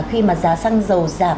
khi mà giá xăng dầu giảm